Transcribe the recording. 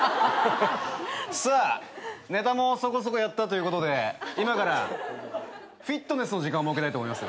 さあネタもそこそこやったということで今からフィットネスの時間をもうけたいと思います。